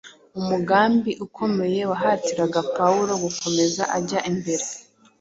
Umugambi ukomeye wahatiraga Pawulo gukomeza ajya imbere